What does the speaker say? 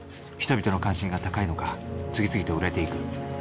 人々の関心が高いのか次々と売れていく。